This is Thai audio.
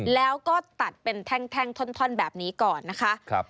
แล้วก็ตัดเป็นแท่งท่อนแบบนี้ก่อนนะคะ